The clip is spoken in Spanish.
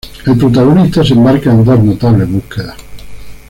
El protagonista se embarca en dos notables búsquedas.